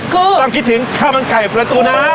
ต้องคิดถึงข้าวมันไก่ประตูน้ำ